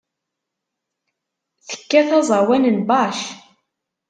Tekkat aẓawan n Bach.